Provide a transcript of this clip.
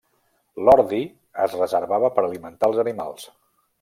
L'ordi es reservava per alimentar els animals.